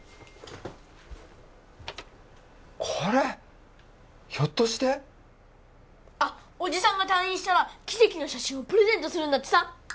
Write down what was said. これひょっとしてあっおじさんが退院したら奇跡の写真をプレゼントするんだってさ